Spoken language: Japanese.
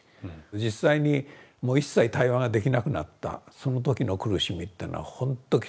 実際にもう一切対話ができなくなったその時の苦しみっていうのはほんときつくてですね。